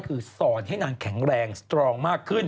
คือสอนให้นางแข็งแรงสตรองมากขึ้น